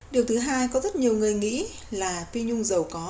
điều thứ hai có rất nhiều người nghĩ là tuy nhung giàu có